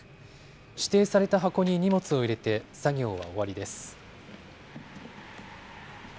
指定された箱に荷物を入れて作業は終わりです。